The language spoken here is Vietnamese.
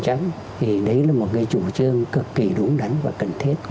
thì đấy là một cái chủ trương cực kỳ đúng đắn và cần thiết